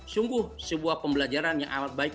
sungguh sebuah pembelajaran yang amat baik